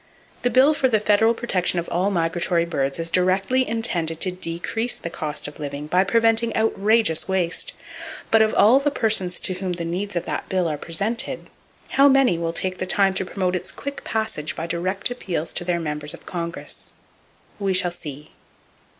The bill for the federal protection of all migratory birds is directly intended to decrease the cost of living, by preventing outrageous waste; but of all the persons to whom the needs of that bill are presented, how many will take the time to promote its quick passage by direct appeals to their members of Congress? We shall see.